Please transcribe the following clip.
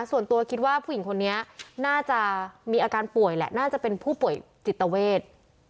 ส่วนตัวคิดว่าผู้หญิงคนนี้น่าจะมีอาการป่วยแหละน่าจะเป็นผู้ป่วยจิตเวท